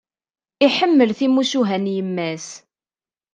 Iḥemmel timucuha n yemma-s.